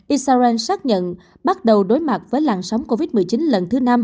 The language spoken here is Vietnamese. israel xác nhận bắt đầu đối mặt với làn sóng covid một mươi chín lần thứ năm